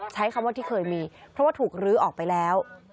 ใช้คำว่าที่เคยมีเพราะว่าถูกลื้อออกไปแล้ว